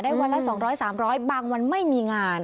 วันละ๒๐๐๓๐๐บางวันไม่มีงาน